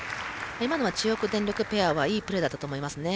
今のは中国電力ペアはいいプレーだったと思いますね。